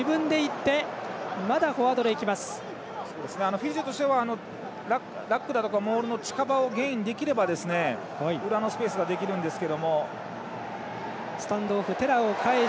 フィジーとしては、ラックだとかモールの近場をゲインできれば裏のスペースができるんですが。